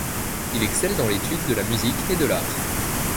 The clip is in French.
Il excelle dans l'étude de la musique et de l'art.